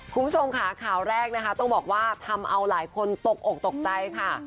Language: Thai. คุณผู้ชมค่ะข่าวแรกนะคะต้องบอกว่าทำเอาหลายคนตกอกตกใจค่ะ